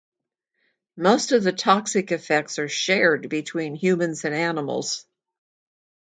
Most of the toxic effects are shared between humans and animals.